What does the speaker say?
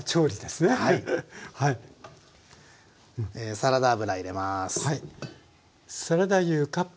サラダ油入れます。